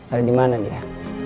ada di mana dia